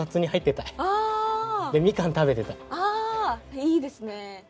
いいですね。